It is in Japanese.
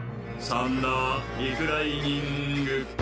サンダー・リクライニング。